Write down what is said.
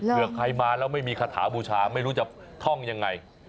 ใครมาแล้วไม่มีคาถาบูชาไม่รู้จะท่องยังไง